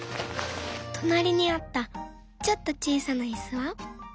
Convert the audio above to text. となりにあったちょっとちいさないすは。